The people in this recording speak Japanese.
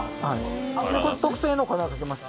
特製の粉をかけました。